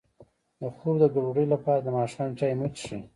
د خوب د ګډوډۍ لپاره د ماښام چای مه څښئ